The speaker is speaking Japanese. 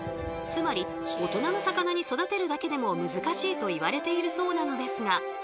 つまり大人の魚に育てるだけでも難しいといわれているそうなのですが